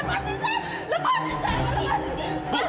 lepaskan saya lepaskan saya lepaskan saya